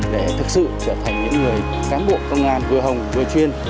để thực sự trở thành những người cán bộ công an vừa hồng vừa chuyên